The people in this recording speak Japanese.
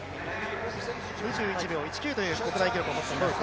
２１秒１９という国内記録を持っています。